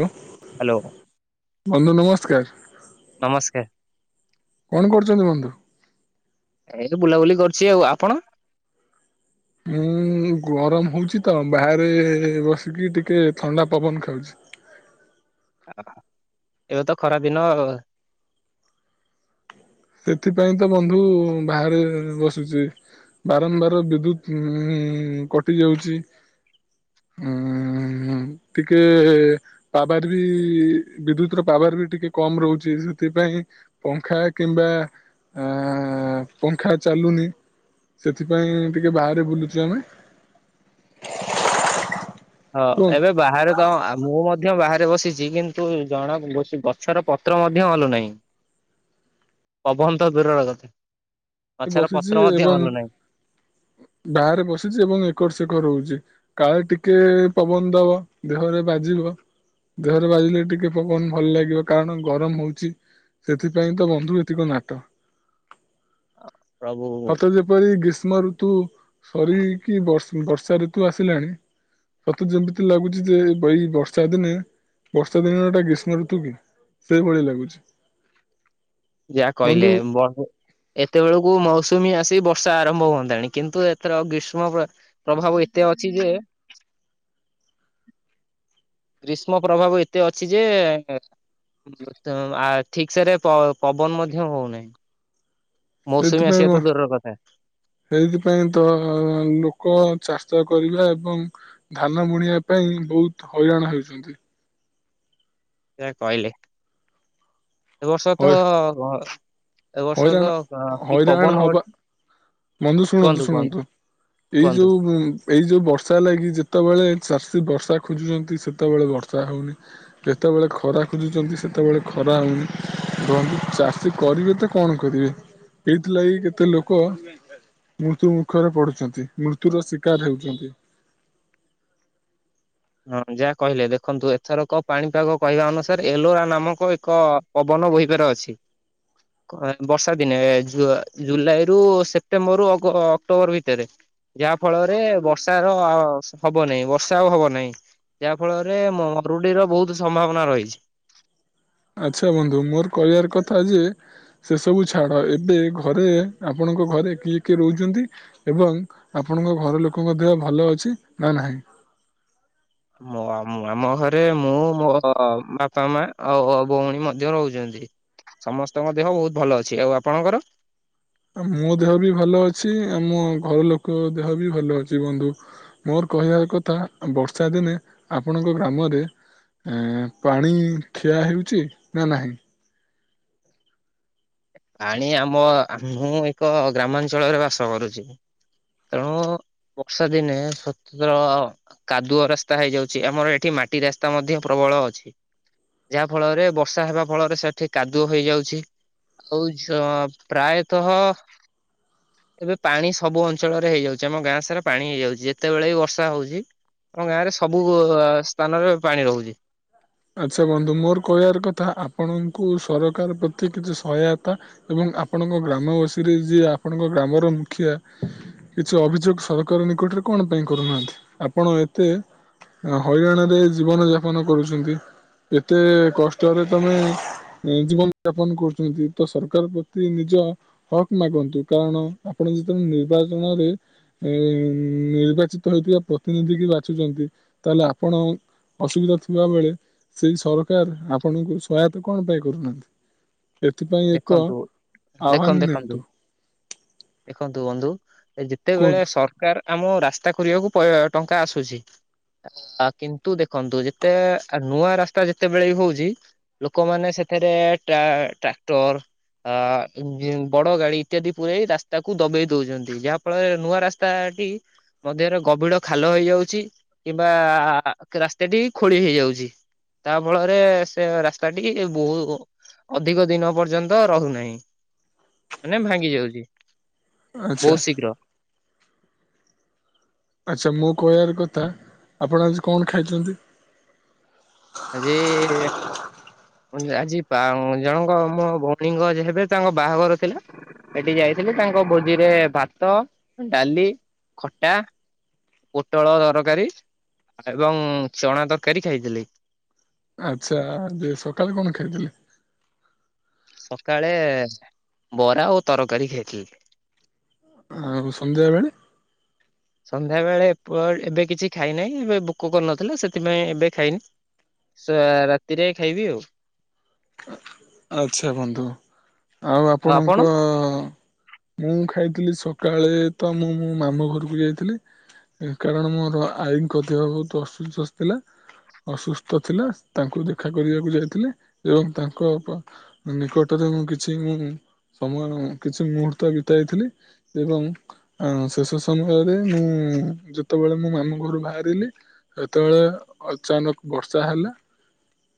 Hello hello ବନ୍ଧୁ ନମସ୍କାର। ନମସ୍କାର। କଣ କରୁଚନ୍ତି ବନ୍ଧୁ? ଏଇ ତ ବୁଲାବୁଲି କରଚି ଆଉ ଆପଣ? ଉଁ ଗରମ ହୋଉଚି ତ ବାହାରେ ବସିକି ଟିକେ ଥଣ୍ଡା ପବନ ଖାଉଚି। ଆ ଏବେ ତ ଖରା ଦିନ ଆ ସେଥିପାଇଁ ତ ବନ୍ଧୁ ବାହାରେ ବସିଚି। ବାରମ୍ବାର ବିଦ୍ୟୁତ ଉଁ କଟି ଯାଉଚି। ଉଁ ଟିକେ ପାୱାର ବି ବିଦ୍ୟୁତ ର ପାୱାର ବି ଟିକେ କମ ରହୁଚି ସେଥିପାଇଁ ପଙ୍ଖା କିମ୍ବା ଆ ପଙ୍ଖା ଚାଲୁନି। ସେଥିପାଇଁ ଟିକେ ବାହାରେ ବୁଲୁଚୁ ଆମେ। ହଁ କୁହନ୍ତୁ ଏବେ ବାହାରେ ତ ଆ ମୁଁ ମଧ୍ୟ ବାହାରେ ବସିଚି କିନ୍ତୁ ଜଣା ବି ସେ ଗଛର ପତ୍ର ମଧ୍ୟ ହଲୁନାହିଁ। ପବନ ତ ଦୂରର କଥା ଗଛର ବସିଛି ପତ୍ର ମଧ୍ୟ ଏବଂ ହଲୁନାହିଁ। ବାହାରେ ବସିଚି ଏବଂ ଏକର ସେକର ହୋଉଚି। କାଳେ ଟିକେ ପବନ ଦବ ଦେହରେ ବାଜିବ। ଦେହରେ ବାଜିଲେ ଟିକେ ପବନ ଭଲ ଲାଗିବ କାରଣ ଗରମ ହୋଉଚି। ସେଥିପାଇଁ ତ ବନ୍ଧୁ ଏତିକ ନାଟ। ପ୍ରଭୁ ସତେ ଯେପରି ଗ୍ରୀଷ୍ମ ଋତୁ ସରିକି ବର୍ଷ୍ ବର୍ଷା ଋତୁ ଆସିଲାଣି ମତେ ଯେମିତି ଲାଗୁଚି ଯେ ଏଇ ବର୍ଷା ଦିନେ ବର୍ଷା ଦିନଟା ଗ୍ରୀଷ୍ମ ଋତୁ କି ସେଇଭଳି ଲାଗୁଚି। ଯାହା କହିଲେ ବହୁ ଏତେବେଳକୁ ମୌସୁମୀ ଆସି ବର୍ଷା ଆରମ୍ଭ ହୁଅନ୍ତାଣି କିନ୍ତୁ ଏଥର ଗ୍ରୀଷ୍ମ ପ୍ର ପ୍ରଭାବ ଏତେ ଅଛି ଯେ ଗ୍ରୀଷ୍ମ ପ୍ରଭାବ ଏତେ ଅଛି ଯେ ଆ ଠିକ ସେରେ ପ-ପବନ ମଧ୍ୟ ହୋଉନାହିଁ। ସେଇଥିପାଇଁ ମୋ କଥା ସେଇଥିପାଇଁ ତ ଲୋକ ଚାଷ କରିବା ଏବଂ ଧାନ ବୁଣିବା ପାଇଁ ବୋହୁତ ହଇରାଣ ହେଉଚନ୍ତି। ଯାହା କହିଲେ ଏ ବର୍ଷ ତହ ହଇ ଘ ଏବ ବର୍ଷ ହଇରାଣ ତ ଆଁ କି ହଇରାଣ ପବନ ହବା ଗୋ ବନ୍ଧୁ ଶୁଣନ୍ତୁ ଶୁଣନ୍ତୁ ଏଇ କୁହନ୍ତୁ। ଯୋଉ ଉଁ ଏଇ ଯୋଉ ବର୍ଷା ଲାଗି ଯେତେବେଳେ ଚାଷୀ ବର୍ଷା ଖୋଜୁଚନ୍ତି ସେତେବେଳେ ବର୍ଷା ହୋଉନି। କେତେବେଳେ ଖରା ଖୋଜୁଚନ୍ତି ସେତେବେଳେ ଖରା ହୋଉନି [unintelligible] ଚାଷୀ କରିବେ ତ କଣ କରିବେ ଏଇଥିଲାଗି କେତେ ଲୋକ ମୃତ୍ୟୁ ମୁଖରେ ପଡୁଚନ୍ତି ମୃତ୍ୟୁର ଶିକାର ହେଉଚନ୍ତି। ହଁ ଯାହା କହିଲେ ଦେଖନ୍ତୁ ଏଥରକ ପାଣିପାଗ କହିବା ଅନୁସାରେ ଏଲୋରା ନାମକ ଏକ ପବନ ବୋହିିବାର ଅଛି। ଓ ଏହା ବର୍ଷା ଦିନେ ଜୁଆ ଜୁଲାଇରୁ ସେପ୍ଟେମ୍ବରରୁ ଅଗ ଅକ୍ଟୋବର ଭିତରେ ଯାହା ଫଳରେ ବର୍ଷାର ହବ ନାହିଁ ବର୍ଷା ଆଉ ହବ ନାହିଁ। ଯାହା ଫଳରେ ମରୁଡିର ବହୁତ ସମ୍ଭାବନା ରହିଛି। ଆଚ୍ଛା ବନ୍ଧୁ ମୋର କହିବାର କଥା ଯେ, ସେ ସବୁ ଛାଡ଼ ଏବେ ଘରେ ଆପଣଙ୍କ ଘରେ କିଏ କିଏ ରହୁଛନ୍ତି? ଏବଂ ଆପଣଙ୍କ ଘର ଲୋକଙ୍କ ଦେହ ଭଲ ଅଛି ନା ନାହିଁ? ମୋ ଆମ ଘରେ ମୁଁ ମୋ ବାପା ମା ଆଉ ଭଉଣୀ ମଧ୍ୟ ରହୁଛନ୍ତି। ସମସ୍ତଙ୍କ ଦେହ ବହୁତ ଭଲ ଅଛି। ଆଉ ଆପଣଙ୍କର? ମୋ ଦେହ ବି ଭଲ ଅଛି। ମୋ ଘର ଲୋକଙ୍କ ଦେହ ବି ଭଲ ଅଛି ବନ୍ଧୁ। ମୋର କହିବା କଥା ବର୍ଷା ଦିନେ ଆପଣଙ୍କ ଗ୍ରାମରେ ଏ ପାଣି ଠିଆ ହେଉଛି ନା ନାହିଁ? ପାଣି ଆମ ମୁଁ ଏକ ଗ୍ରାମାଞ୍ଚଳରେ ବାସ କରୁଛି। ତେଣୁ ବର୍ଷା ଦିନେ ସ୍ୱତନ୍ତ୍ର କାଦୁଅ ରାସ୍ତା ହେଇଯାଉଛି। ଆମର ଏଠି ମାଟି ରାସ୍ତା ମଧ୍ୟ ପ୍ରବଳ ଅଛି। ଯାହା ଫଳରେ ବର୍ଷା ହେବା ଫଳରେ ସେଠି କାଦୁଅ ହେଇଯାଉଛି। ହଉଛ ପ୍ରାୟତଃ ଏବେ ପାଣି ସବୁ ଅଞ୍ଚଳରେ ହେଇଯାଉଛି। ଆମ ଗାଁ ସାରା ପାଣି ହେଇଯାଉଛି। ଯେତେବେଳେ ବି ବର୍ଷା ହଉଛି ଆ ଗାଁରେ ସବୁ ସ୍ଥାନରେ ପାଣି ରହୁଛି। ଆଚ୍ଛା ବନ୍ଧୁ ମୋର କହିବାର କଥା ଆପଣଙ୍କୁ ସରକାର ପ୍ରତି କିଛି ସହାୟତା ଏବଂ ଆପଣଙ୍କ ଗ୍ରାମବାସୀରେ ଯିଏ ଆପଣଙ୍କ ଗ୍ରାମର ମୁଖିଆ କିଛି ଅଭିଯୋଗ ସରକାର ନିକଟରେ କଣ ପାଇଁ କରୁନାହାନ୍ତି। ଆପଣ ଏତେ ହଇରାଣରେ ଜୀବନଯାପନ କରୁଛନ୍ତି। ଏତେ କଷ୍ଟରେ ତମେ ଜୀବନ ଯାପନ କରୁଛନ୍ତି। ତ ସରକାର ପ୍ରତି ନିଜ ହକ୍ ମାଗନ୍ତୁ। କାରଣ ଆପଣ ଯେତେବେଳେ ନିର୍ବାଚନରେ ଏ ନିର୍ବାଚିତ ହେଇଥିବା ପ୍ରତିନିଧି କି ବାଛୁଛନ୍ତି। ତାହେଲେ ଆପଣ ଅସୁବିଧା ଥିବା ବେଳେ ସେଇ ସରକାର ଆପଣଙ୍କୁ ସହାୟତା କଣ ପାଇଁ କରୁନାହାନ୍ତି। ଏଥିପାଇଁ ଏକ ଦେଖନ୍ତୁ ଦେଖନ୍ତୁ ଆହ୍ୱାନ ଦେଖନ୍ତୁ ନିଅନ୍ତୁ। ଦେଖନ୍ତୁ ବନ୍ଧୁ ଯେତେବେଳେ କୁହନ୍ତୁ ସରକାର ଆମ ରାସ୍ତା କରିବାକୁ ଟଙ୍କା ଆସୁଛି। ଆ କିନ୍ତୁ ଦେଖନ୍ତୁ ଯେତେ ନୂଆ ରାସ୍ତା ଯେତେବେଳେ ବି ହଉଛି ଲୋକମାନେ ସେଥିରେ ଟ୍ରା ଟ୍ରାକ୍ଟର ଆ ବଡ ଗାଡି ଇତ୍ୟାଦି ପୁରେଇ ରାସ୍ତାକୁ ଦବେଇ ଦଉଛନ୍ତି ଯାହା ଫଳରେ ନୂଆ ରାସ୍ ସ୍ତାଟି। ମଧ୍ୟରେ ଗଭୀଡ ଖାଲ ହେଇଯାଉଛି କିମ୍ବା ରାସ୍ତାଟି ଖୋଳି ହେଇଯାଉଛି। ତା ଫଳରେ ସେ ରାସ୍ତାଟି ବହୁ ଅଧିକ ଦିନ ପର୍ଯ୍ୟନ୍ତ ରହୁନାହିଁ ମାନେ ଭାଙ୍ଗି ଯାଉଛି ଆଚ୍ଛା ବହୁତ ଶୀଘ୍ର। ଆଚ୍ଛା ମୋ କହିବାର କଥା ଆପଣ ଆଜି କଣ ଖାଇଛନ୍ତି? ଆଜି ଆଜି ବା ଜଣଙ୍କ ମୋ ଭଉଣୀଙ୍କ ହେବେ ତାଙ୍କ ବାହାଘର ଥିଲା। ସେଠିକି ଯାଇଥିଲି ତାଙ୍କ ଭୋଜିରେ ଭାତ ଡାଲି ଖଟା ପୋଟଳ ତରକାରୀ ଏବଂ ଚଣା ତରକାରୀ ଖାଇଥିଲି। ଆଚ୍ଛା ସକାଳେ କଣ ଖାଇଥିଲେ? ସକାଳେ ବରା ଓ ତରକାରୀ ଖାଇଥିଲି। ଆଉ ସନ୍ଧ୍ୟାବେଳେ? ସନ୍ଧ୍ୟା ବେଳେ ଏ ଏବେ କିଛି ଖାଇନାହିଁ ଏବେ ଭୋକ କରିନଥିଲା ସେଥିପାଇଁ ଏବେ ଖାଇନି ସେ ରାତିରେ ଖାଇବି ଆଉ। ଆଚ୍ଛା ବନ୍ଧୁ ଆଉ ଆପଣଙ୍କ ମୁଁ ଖାଇଥିଲି ସକାଳେ ତ ମୁଁ ମୋ ମାମୁଁ ଘରକୁ ଯାଇଥିଲି କାରଣ ମୋର ଆଈଙ୍କ ଦେହ ବହୁତ ଅସୁସ୍ଥ ଥିଲା। ଅସୁସ୍ଥ ଥିଲା ତାଙ୍କୁ ଦେଖା କରିବାକୁ ଯାଇଥିଲେ ଏବଂ ତାଙ୍କ ନିକଟରେ ମୁଁ କିଛି ମୁଁ ସମୟ କିଛି ମୁହୂର୍ତ୍ତ ବିତାଇଥିଲି ଏବଂ ହଁ ଶେଷ ସମୟରେ ମୁଁ ଯେତେବେଳେ ମୁଁ ମାମୁଁ ଘରୁ ବାହାରିଲି ସେତେବେଳେ ଅଚାନକ ବର୍ଷା ହେଲା।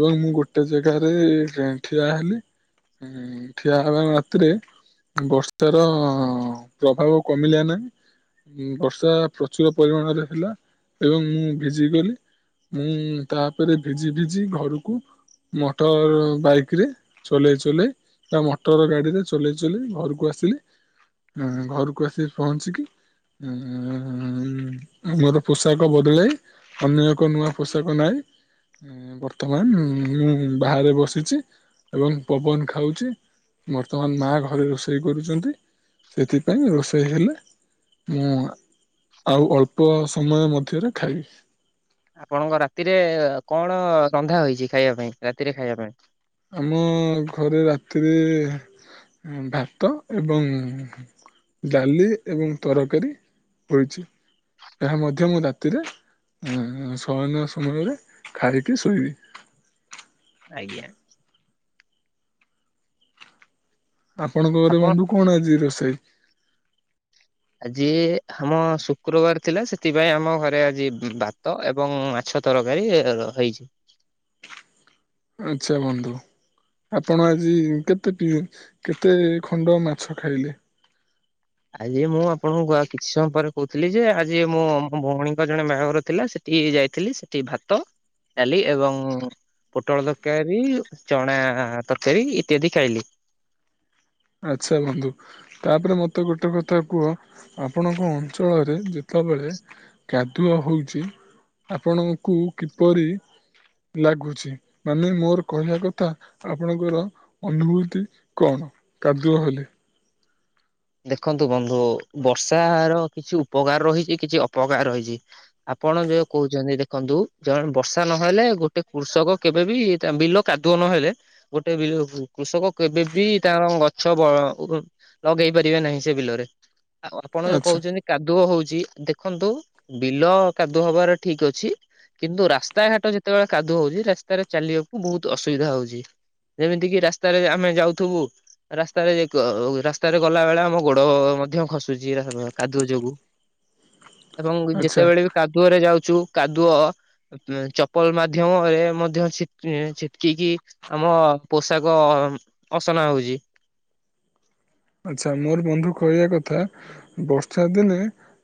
ଏବଂ ମୁଁ ଗୋଟେ ଜାଗାରେ ଟ୍ରେନ୍ ଠିଆ ହେଲି ହୁଁ ଠିଆ ହେବା ମାତ୍ରେ ବର୍ଷା ର ପ୍ରଭାବ କମିଲା ନାହିଁ। ବର୍ଷା ପ୍ରଚୁର ପରିମାଣରେ ହେଲା ଏବଂ ମୁଁ ଭିଜିଗଲି। ମୁଁ ତାପରେ ଭିଜି ଭିଜି ଘରକୁ ମଟର ବାଇକ୍ ରେ ଚଲେଇ ଚଲେଇ ବା ମଟର ଗାଡିରେ ଚଲେଇ ଚଲେଇ ଘରକୁ ଆସିଲି। ହଁ ଘରକୁ ଆସିିକି ପହଞ୍ଚିକି ହୁଁ ହୁଁ ହୁଁ ମୋର ପୋଷାକ ବଦଳେଇ ଅନ୍ୟ ଏକ ନୂଆ ପୋଷାକ ନାଇଁ ବର୍ତ୍ତମାନ ମୁଁ ବାହାରେ ବସିଚି। ଏବଂ ପବନ ଖାଉଚି ବର୍ତ୍ତମାନ ମା ଘରେ ରୋଷେଇ କରୁଚନ୍ତି। ସେଥିପାଇଁ ରୋଷେଇ ହେଲେ ମୁଁ ଆଉ ଅଳ୍ପ ସମୟ ମଧ୍ୟରେ ଖାଇବି। ଆପଣଙ୍କ ରାତିରେ କଣ ରନ୍ଧା ହୋଇଚି ଖାଇବା ପାଇଁ ରାତିରେ ଖାଇବା ପାଇଁ? ଆମ ଘରେ ରାତିରେ ଭାତ ଏବଂ ଡାଲି ଏବଂ ତରକାରୀ ହୋଇଛି। ଏହା ମଧ୍ୟ ମୁଁ ରାତିରେ ଅଁ ଶୟନ ସମୟରେ ଖାଇକି ଶୋଇବି। ଆଜ୍ଞା। ଆପଣଙ୍କ ଘରେ ଆପଣ ବନ୍ଧୁ କଣ ଆଜି ରୋଷେଇ? ଆଜି ଆମ ଶୁକ୍ରବାର ଥିଲା ସେଥିପାଇଁ ଆମ ଘରେ ଆଜି ଭାତ ଏବଂ ଛ ତରକାରୀ ର ହେଇଚି। ଆଚ୍ଛା ବନ୍ଧୁ। ଆପଣ ଆଜି କେତେ ପି କେତେ ଖଣ୍ଡ ମାଛ ଖାଇଲେ? ଆଜି ମୁଁ ଆପଣଙ୍କୁ ଆ କିଛି ସମୟ ପରେ କହୁଥିଲି ଯେ ଆଜି ମୋ ଭଉଣୀଙ୍କ ଜଣେ ବାହାଘର ଥିଲା ସେ ଠିକି ଯାଇଥିଲି ସେଠି ଭାତ ଡାଲି ଏବଂ ପୋଟଳ ତରକାରୀ, ଚଣା ତରକାରୀ ଇତ୍ୟାଦି ଖାଇଲି। ଆଚ୍ଛା ବନ୍ଧୁ। ତାପରେ ମୋତେ ଗୋଟେ କଥା କୁହ ଆପଣଙ୍କ ଅଞ୍ଚଳରେ ଯେତେବେଳେ କାଦୁଅ ହଉଚି ଆପଣଙ୍କୁ କିପରି ଲାଗୁଛି ମାନେ ମୋର କହିବା କଥା ଆପଣଙ୍କର ଅନୁଭୂତି କଣ କାଦୁଅ ହେଲେ? ଦେଖନ୍ତୁ ବନ୍ଧୁ ବର୍ଷା ର କିଛି ଉପକାର ରହିଚି କିଛି ଅପକାର ରହିଚି। ଆପଣ ଯୋଉ କହୁଚନ୍ତି ଦେଖନ୍ତୁ ଜଣେ ବର୍ଷା ନହେଲେ ଗୋଟେ କୃଷକ କେବେ ବିି ତା ବିଲ କାଦୁଅ ନହେଲେ ଗୋଟେ ବିଲକୁ କୃଷକ କେବେ ବିି ତାର ଗଛ ବ ଲଗେଇ ପାରି ପାରିବେ ନାହିଁ ସେ ବିଲରେ ଆଉ ଆପଣ ଯୋଉ ଆଚ୍ଛା କହୁଚନ୍ତି କାଦୁଅ ହଉଚି ଦେଖନ୍ତୁ ବିଲ କାଦୁଅ ହବାର ଠିକ୍ ଅଛି କିନ୍ତୁ ରାସ୍ତାଘାଟ ଯେତେବେଳେ କାଦୁଅ ହୋଉଚି ରାସ୍ତାରେ ଚାଲିବାକୁ ବୋହୁତ ଅସୁବିଧା ହୋଉଚି। ଯେମିତି କିି ରାସ୍ତାରେ ଆମେ ଯାଉଥୁବୁ ରାସ୍ତାରେ କ ଅ ଉ ରାସ୍ତାରେ ଗଲା ବେଳେ ଆମ ଗୋଡ ମଧ୍ୟ ଖସୁଚି ଏରା ସବୁ କାଦୁଅ ଯୋଗୁଁ। ଏବଂ ଆଚ୍ଛା ଯେତେବେଳେ ବି କାଦୁଅରେ ଯାଉଛୁ କାଦୁଅ ଚପଲ ମାଧ୍ୟମରେ ମଧ୍ୟ ଛିଟ୍ ଛିଟିକି କି ଆମ ପୋଷାକ ଅସନା ହୋଉଚି। ଆଚ୍ଛା ମୋର ବନ୍ଧୁ କହିବା କଥା ବର୍ଷା ଦିନେ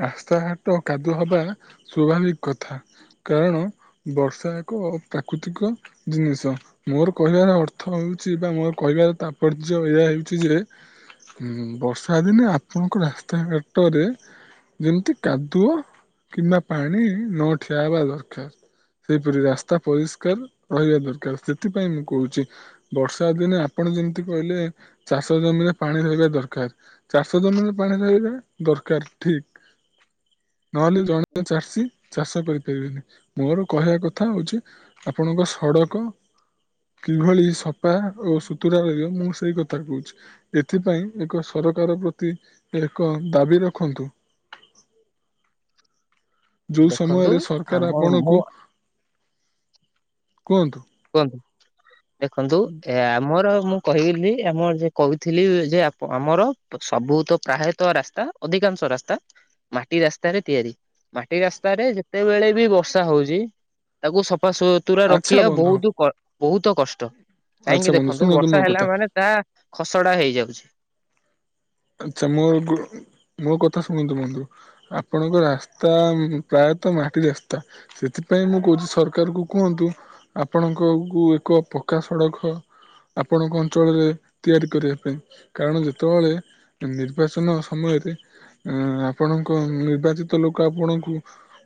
ରାସ୍ତାଘାଟ କାଦୁଅ ହବା ସ୍ୱାଭାବିକ କଥା। କାରଣ ବର୍ଷା ଏକ ପ୍ରାକୃତିକ ଜିନିଷ। ମୋର କହିବାର ଅର୍ଥ ହୋଉଚି ବା ମୋର କହିବାର ତାତ୍ପର୍ଯ୍ୟ ଏହା ହେଉଚି ଯେ ହୁଁ ବର୍ଷା ଦିନେ ଆପଣଙ୍କ ରାସ୍ତାଘାଟରେ ଯେମିତି କାଦୁଅ କିମ୍ବା ପାଣି ନଠିଆ ହେବା ଦରକାର। ସେହିପରି ରାସ୍ତା ପରିଷ୍କାର ରହିବା ଦରକାର ସେଥିପାଇଁ ମୁଁ କୋଉଚି। ବର୍ଷା ଦିନେ ଆପଣ ଯେମିତି କହିଲେ ଚାଷ ଜମିରେ ପାଣି ରହିବା ଦରକାର ଚାଷ ଜମିରେ ପାଣି ରହିବା ଦରକାର ଠିକ୍। ନହେଲେ ଜଣେ ଚାଷୀ ଚାଷ କରିପାରିବେନି ମୋର କହିବା କଥା ହୋଉଚି ଆପଣଙ୍କ ସଡ଼କ। କିଭଳି ସଫା ଓ ସୁତୁରା ରହିବ ମୁଁ ସେଇ କଥା କୋଉଚି। ଏଥିପାଇଁ ଏକ ସରକାର ପ୍ରତି ଏକ ଦାବି ରଖନ୍ତୁ। ଯୋଉ ଦେଖନ୍ତୁ ସମୟରେ ସରକାର ଆମ ଆପଣଙ୍କୁ ମୁଁ କୁହନ୍ତୁ? କୁହନ୍ତୁ ଦେଖନ୍ତୁ ଏ ଆମର ମୁଁ କହିବିନି ଆମର ଯେ କୋହୁଥିଲି ଯେ ଆପ ଆମର ସବୁ ତ ପ୍ରାୟତଃ ରାସ୍ତା ଅଧିକାଂଶ ରାସ୍ତା ମାଟି ରାସ୍ତାରେ ତିଆରି ମାଟି ରାସ୍ତାରେ ଯେତେବେଳେ ବି ବର୍ଷା ହୋଉଚି। ତାକୁ ସଫା ସୁତୁରା ଆଚ୍ଛା ରଖିବା ବନ୍ଧୁ ବିହୁତ କ ବୋହୁତ କଷ୍ଟ। ଆଚ୍ଛା କାହିଁକି ବନ୍ଧୁ ଦେଖନ୍ତୁ ଶୁଣନ୍ତୁ ମୋ ବର୍ଷା କଥା ହେଲା ମାନେ ତା ଖସଡା ହେଇଯାଉଚି। ଆଛା ମୋର ଗୋ ମୋ କଥା ଶୁଣନ୍ତୁ ବନ୍ଧୁ ଆପଣଙ୍କ ରାସ୍ତା ପ୍ରାୟତଃ ମାଟି ରାସ୍ତା ସ୍ତା ସେଥିପାଇଁ ମୁଁ କୋହୁଚି ସରକାରକୁ କୁହନ୍ତୁ ଆପଣଙ୍କ କୁ ଏକ ପକ୍କା ସଡକ ଆପଣଙ୍କ ଅଞ୍ଚଳରେ ତିଆରି କରିବା ପାଇଁ କାରଣ ଯେତେବେଳେ ନିର୍ବାଚନ ସମୟରେ ଆ ଆପଣଙ୍କ ନିର୍ବାଚିତ ଲୋକ ଆପଣଙ୍କୁ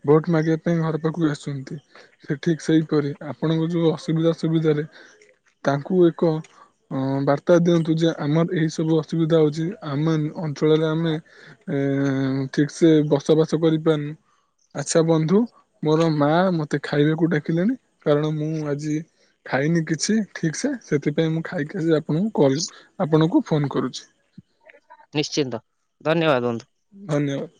ଭୋଟ ମାଗିବା ପାଇଁ ଘର ପାଖକୁ ଆସୁଚନ୍ତି। ସେ ଠିକ୍ ସେଇପରି ଆପଣଙ୍କ ଯୋଉ ଅସୁବିଧା ସୁବିଧାରେ ତାଙ୍କୁ ଏକ ବାର୍ତ୍ତା ଦିଅନ୍ତୁ ଯେ ଆମର ଏହିସବୁ ଅସୁବିଧା ହେଉଚି। ଆମେ ଅଞ୍ଚଳରେ ଆମେ ଏ ଠିକ୍ ସେ ବସବାସ କରିପାରୁନୁ। ଆଚ୍ଛା ବନ୍ଧୁ ମୋର ମା ମତେ ଖାଇବାକୁ ଡାକିଲେଣି କାରଣ ମୁଁ ଆଜି ଖାଇନି କିଛି ଠିକସେ ସେଥିପାଇଁ ମୁଁ ଖାଇକି ଆସି ଆପଣଙ୍କୁ କଲ ଆପଣଙ୍କୁ ଫୋନ କରୁଛି। ନିଶ୍ଚିନ୍ତ ଧନ୍ୟବାଦ ବନ୍ଧୁ। ଧନ୍ୟବାଦ।